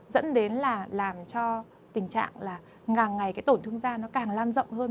dẫn đến là làm cho tình trạng là hàng ngày cái tổn thương da nó càng lan rộng hơn